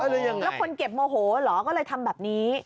อะไรยังไงแล้วคนเก็บโมโหเหรอก็เลยทำแบบนี้